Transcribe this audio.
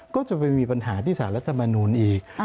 ก็จะมีปัญหาที่ศาลัฐมนุนอีก